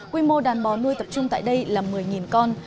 quy mô đàn bò nuôi tập trung tại đây là một mươi con